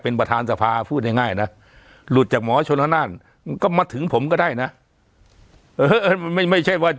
เป็นประธานสภาพูดง่ายลดจากหมอชนานน่ะก็มาถึงผมก็ได้นะไม่ใช่ว่า